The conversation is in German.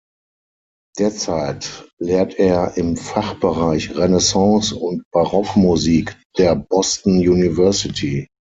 Derzeit lehrt er im Fachbereich Renaissance- und Barockmusik der Boston University.